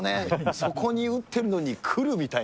そこに打ってるのにくる、みたいな。